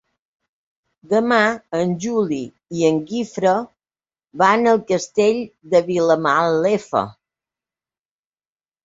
Demà en Juli i en Guifré van al Castell de Vilamalefa.